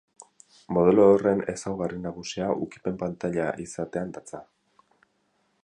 Modelo honen ezaugarri nagusia ukipen-pantaila izatean datza.